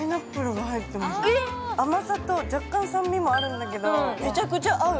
甘さと若干酸味もあるんだけれどもめちゃくちゃ合う。